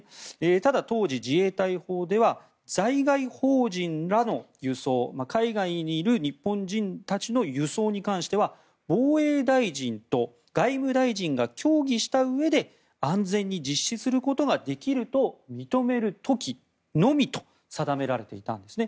ただ当時、自衛隊法では在外邦人らの輸送海外にいる日本人たちの輸送に関しては防衛大臣と外務大臣が協議したうえで安全に実施することができると認める時のみと定められていたんですね。